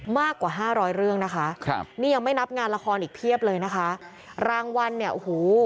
มากกว่าห้าร้อยเรื่องนะคะครับนี่ยังไม่นับงานละครอีกเพียบเลยนะคะรางวัลเนี่ยโอ้โห